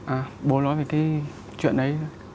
à bố nói về cái chuyện đấy